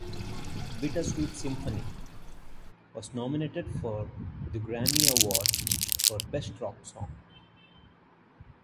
"Bitter Sweet Symphony" was nominated for the Grammy Award for Best Rock Song.